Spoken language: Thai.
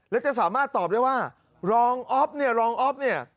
แล้วจะสามารถตอบได้ว่ารองออฟเนี่ย